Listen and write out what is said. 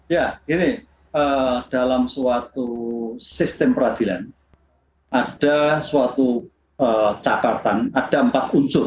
ya gini dalam suatu sistem peradilan ada suatu catatan ada empat unsur